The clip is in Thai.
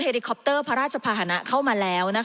ลิคอปเตอร์พระราชภาษณะเข้ามาแล้ว